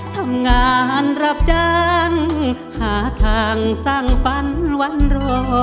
ทำงานรับจ้างหาทางสร้างฝันวันรอ